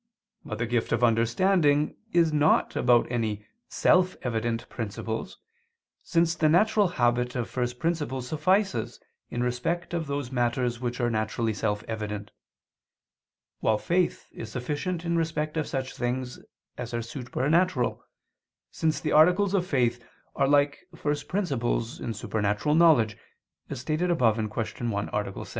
But the gift of understanding is not about any self evident principles, since the natural habit of first principles suffices in respect of those matters which are naturally self evident: while faith is sufficient in respect of such things as are supernatural, since the articles of faith are like first principles in supernatural knowledge, as stated above (Q. 1, A. 7).